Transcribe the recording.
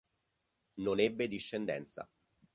Non ebbe discendenza.